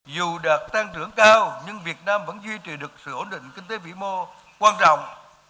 dù đạt tăng trưởng cao nhưng việt nam vẫn duy trì được sự ổn định kinh tế vĩ mô quan trọng